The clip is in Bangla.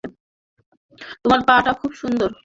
তোমার পা-টা খুব সুন্দর।